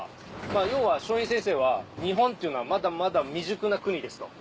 要は松陰先生は「日本というのはまだまだ未熟な国です」と。